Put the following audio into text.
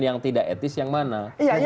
yang tidak etis yang mana